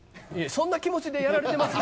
そんな気持ちでやられてます？